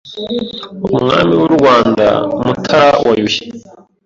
Umwami w' u Rwanda Mutara wa Yuhi